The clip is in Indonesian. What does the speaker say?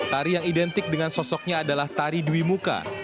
tari yang identik dengan sosoknya adalah tari dwi muka